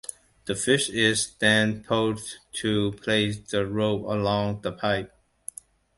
The fish is then pulled to place the rope along the pipe.